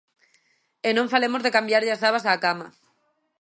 E non falemos de cambiarlle as sabas á cama.